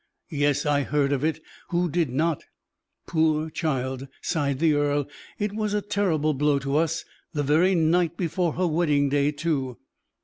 "Yes, I heard of it; who did not?" "Poor child!" sighed the earl; "It was a terrible blow to us; the very night before her wedding day, too."